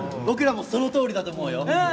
僕らもそのとおりだと思うよ。